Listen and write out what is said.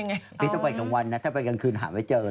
อาร์คต้องไปกันวันน่ะถ้าไปกันคืนหาไม่เจอเลย